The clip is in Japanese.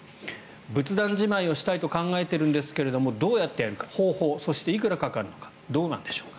仏壇じまいをしたいと考えているんですけどどうやってやるか、方法そして、いくらかかるのかどうなんでしょうか。